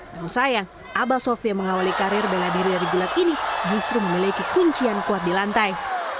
namun sayang abah sofi yang mengawali karir bela diri dari gulat ini justru memiliki kuncian kuat di lantai